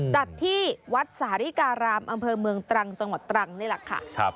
จัดที่วัดสาริการามอำเภอเมืองตรังจังหวัดตรังนี่แหละค่ะ